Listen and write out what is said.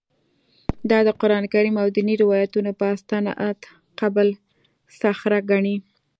دا د قران کریم او دیني روایتونو په استناد قبه الصخره ګڼي.